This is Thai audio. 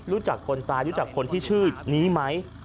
รู้จักคนตายรู้จักคนที่ชื่อนี้ไหม